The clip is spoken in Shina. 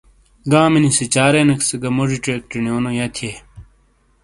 گامی نی سِیچارینیک سے گہ موجی چیک چینی یہہ تھیئے۔